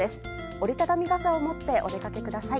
折り畳み傘を持ってお出かけください。